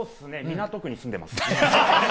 港区に住んでます。